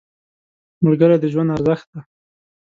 ملګری د ژوند ارزښت دی